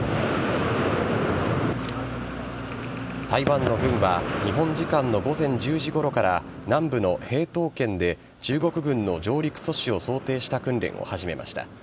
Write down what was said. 台湾の軍は、日本時間の午前１０時ごろから南部の屏東県で中国軍の上陸阻止を想定した訓練を始めました。